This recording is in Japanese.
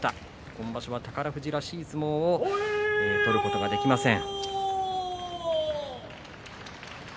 今場所は宝富士らしい相撲を見ることができません。